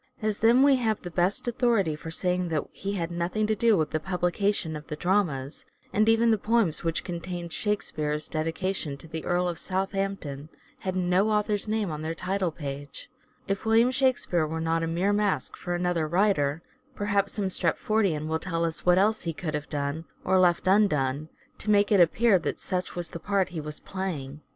As then we have the best authority for saying that he had nothing to do with the publication of the dramas — and even the poems which contained" Shake speare's " dedication to the Earl of Southampton had no author's name on their title pages — if William Shakspere were not a mere mask for another writer, perhaps some Stratfordian will tell us what else he could have done, or left undone, to make it appear that such was the part he was playing.